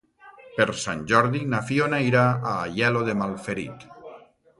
Per Sant Jordi na Fiona irà a Aielo de Malferit.